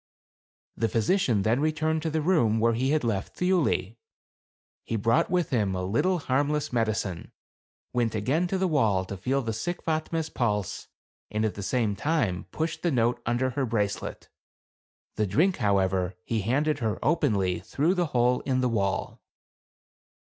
The physi cian then returned to the room where he had left Thiuli. He brought with him a little harm less medicine, went again to the wall to feel the sick Fatme's pulse, and at the same time pushed the note under her bracelet. The drink, how ever, he handed her openly through the hole in the wall.